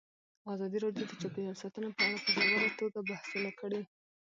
ازادي راډیو د چاپیریال ساتنه په اړه په ژوره توګه بحثونه کړي.